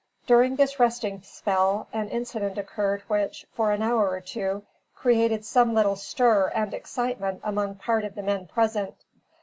During this resting spell, an incident occurred which, for an hour or two, created some little stir and excitement among part of the men present.